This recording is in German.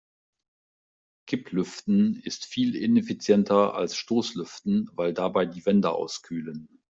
Kipplüften ist viel ineffizienter als Stoßlüften, weil dabei die Wände auskühlen.